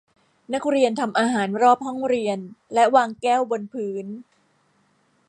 นักเรียนทำอาหารรอบห้องเรียนและวางแก้วบนพื้น